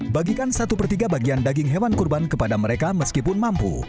bagikan satu per tiga bagian daging hewan kurban kepada mereka meskipun mampu